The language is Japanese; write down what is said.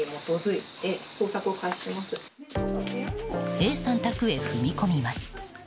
Ａさん宅へ踏み込みます。